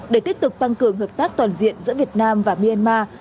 để tiếp tục tăng cường hợp tác toàn diện giữa việt nam và myanmar